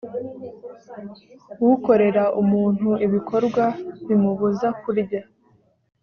ukorera umuntu ibikorwa bimubuza kurya